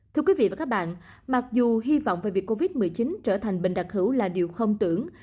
thưa quý vị và các bạn mặc dù hy vọng về việc covid một mươi chín trở thành bệnh đặc hữu là điều không tưởng